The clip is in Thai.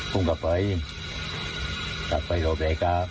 ผมกะไปกะไปโรครีย์กะ